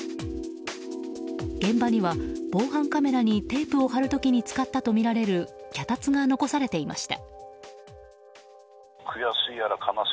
現場には防犯カメラにテープを貼る時に使ったとみられる脚立が残されていました。